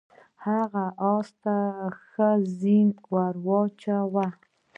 هغه اس ته ښه زین ور واچاوه.